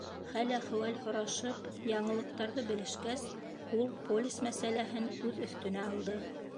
Хәл-әхүәл һорашып, яңылыҡтарҙы белешкәс, ул полис мәсьәләһен үҙ өҫтөнә алды.